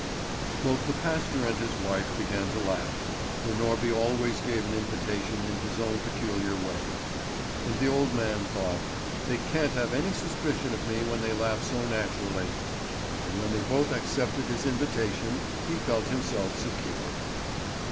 Both the pastor and his wife began to laugh, for Norby always gave an invitation in his own peculiar way. And the old man thought: "They can't have any suspicion of me when they laugh so naturally;" and when they both accepted his invitation he felt himself secure.